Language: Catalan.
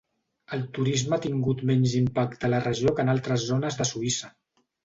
El turisme ha tingut menys impacte a la regió que en altres zones de Suïssa.